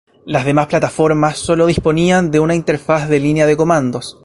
Las demás plataformas solo disponían de una interfaz de línea de comandos.